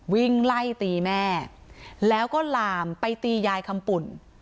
วิ่งไล่ตีแม่แล้วก็ลามไปตียายคำปุ่น